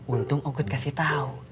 untung aku kasih tau